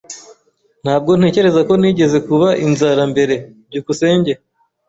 Ntabwo ntekereza ko nigeze kuba inzara mbere. byukusenge